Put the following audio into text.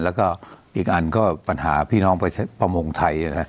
แล้วก็อีกอันก็ปัญหาพี่น้องประมงไทย